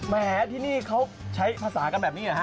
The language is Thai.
แหมที่นี่เขาใช้ภาษากันแบบนี้เหรอฮ